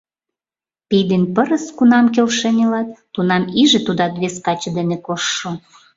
Пий ден пырыс кунам келшен илат, тунам иже тудат вес каче дене коштшо!